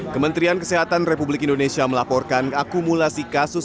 kementerian kesehatan republik indonesia melaporkan akumulasi kasus